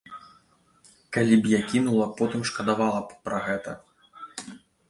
Калі б я кінула, потым шкадавала б пра гэта.